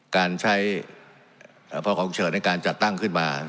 การใช้พอของเฉินในการจัดตั้งขึ้นมา